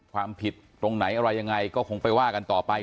ความผิดตรงไหนอะไรยังไงก็คงไปว่ากันต่อไป